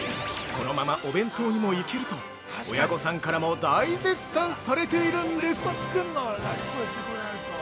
このままお弁当にもいけると親御さんからも大絶賛されているんです！